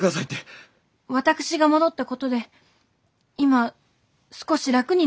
私が戻ったことで今少し楽になっているのでは？